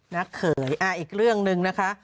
เขยอีกเรื่องหนึ่งนะคะ